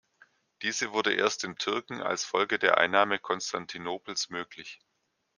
Diese wurde erst den Türken als Folge der Einnahme Konstantinopels möglich.